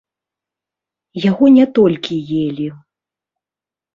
Яго не толькі елі.